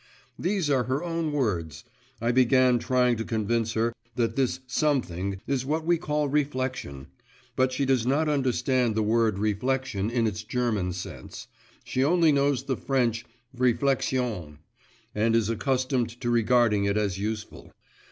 …' These are her own words. I began trying to convince her that this 'something' is what we call reflection; but she does not understand the word reflection in its German sense; she only knows the French 'refléxion', and is accustomed to regarding it as useful.